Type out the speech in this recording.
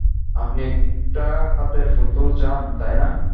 আপনি একটা হাতের পুতুল চান, তাইনা?